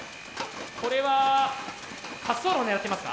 これは滑走路を狙っていますか？